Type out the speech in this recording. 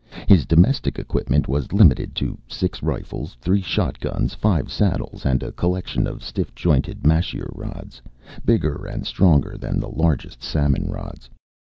His domestic equipment was limited to six rifles, three shotguns, five saddles, and a collection of stiff jointed masheer rods, bigger and stronger than the largest salmon rods.